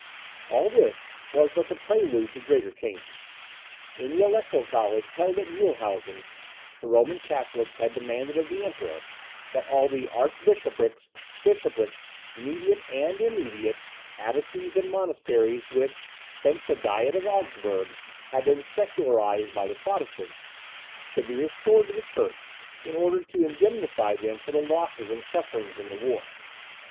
All this was but the prelude to greater changes. In the Electoral Congress held at Muehlhausen, the Roman Catholics had demanded of the Emperor that all the archbishoprics, bishoprics, mediate and immediate, abbacies and monasteries, which, since the Diet of Augsburg, had been secularized by the Protestants, should be restored to the church, in order to indemnify them for the losses and sufferings in the war.